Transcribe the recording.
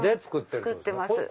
作ってます。